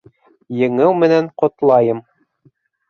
Еңеү менән ҡотлайым.